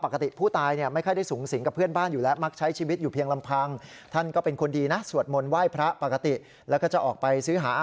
ก่อนจะถูกส่งตัวไป